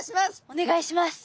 お願いします。